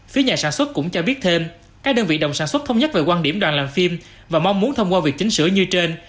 phía nhà sản xuất cũng cho biết thêm các đơn vị đồng sản xuất thống nhất về quan điểm đoàn làm phim và mong muốn thông qua việc chính sửa như trên